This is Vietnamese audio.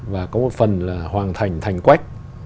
và có một phần là hoàn thành thành quách